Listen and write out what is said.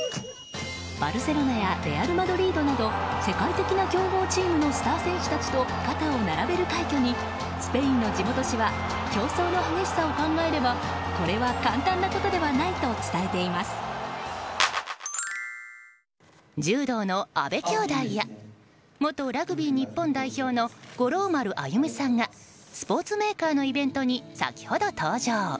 バルセロナやレアル・マドリードなど世界的な強豪チームのスター選手たちと肩を並べる快挙にスペインの地元紙は競争の激しさを考えればこれは簡単なことではないと柔道の阿部兄妹や元ラグビー日本代表の五郎丸歩さんがスポーツメーカーのイベントに先ほど登場。